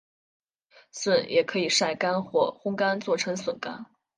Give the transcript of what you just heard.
笋也可以晒干或烘干做成笋干。